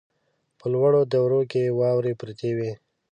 په لوړو درو کې واورې پرتې وې.